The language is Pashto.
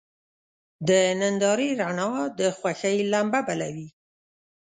د نندارې رڼا د خوښۍ لمبه بله وي.